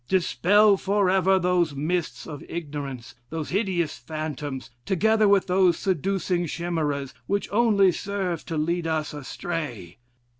Dispel forever those mists of ignorance, those hideous phantoms, together with those seducing chimeras, which only serve to lead us astray.